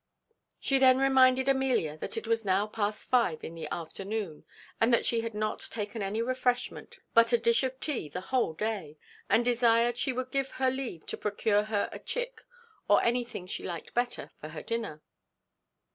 She then reminded Amelia that it was now past five in the afternoon, and that she had not taken any refreshment but a dish of tea the whole day, and desired she would give her leave to procure her a chick, or anything she liked better, for her dinner.